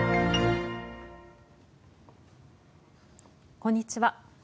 こんにちは。